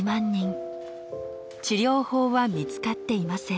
治療法は見つかっていません。